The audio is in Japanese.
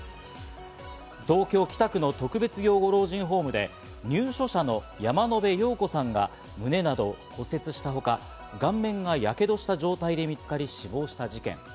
東京・北区の特別養護老人ホームで入所者の山野辺陽子さんが胸などを骨折したほか、顔面がヤケドした状態で見つかり死亡した事件。